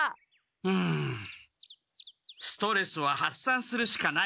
うむストレスは発散するしかない。